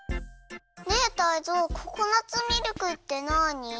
ねえタイゾウココナツミルクってなに？